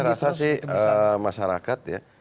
saya rasa sih masyarakat ya